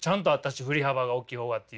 「振り幅が大きい方が」っていう。